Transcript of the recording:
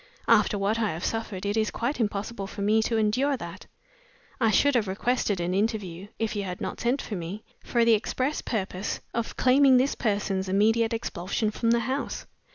After what I have suffered it is quite impossible for me to endure that. I should have requested an interview (if you had not sent for me) for the express purpose of claiming this person's immediate expulsion from the house.